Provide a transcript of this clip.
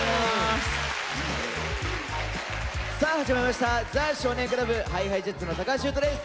さあ始まりました「ザ少年倶楽部」ＨｉＨｉＪｅｔｓの橋優斗です。